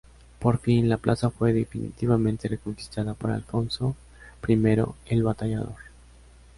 Por fin, la plaza fue definitivamente reconquistada por Alfonso I el Batallador.